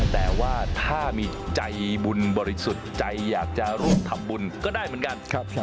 แต่ว่าถ้ามีใจบุญบริสุทธิ์ใจอยากจะร่วมทำบุญก็ได้เหมือนกัน